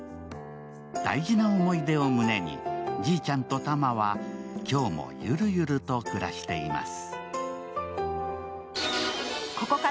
大事な思い出を胸にじいちゃんとタマは今日もゆるゆると暮らしています。